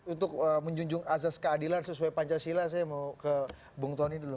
untuk menjunjung azas keadilan sesuai pancasila saya mau ke bung tony dulu